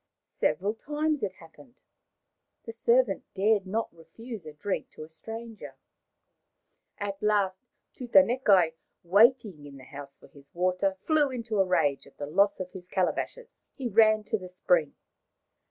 Several times it happened. The servant dared not refuse a drink to a stranger. At last Tutanekai, waiting in the house for his water, flew into a rage at the loss of his calabashes. He ran to the spring.